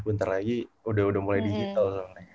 bentar lagi udah mulai digital